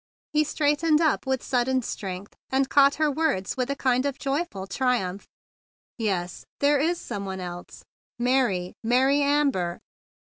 He straight¬ ened up with sudden strength, and caught her words with a kind of joy¬ ful triumph. "Yes, there is some one else! Mary! Mary Amber!"